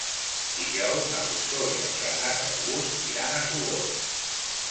Dijous na Rosó i en Renat August iran a Sogorb.